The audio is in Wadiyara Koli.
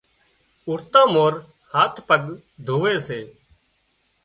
اُوٺتان مورِ هاٿ پڳ ڌووي سي۔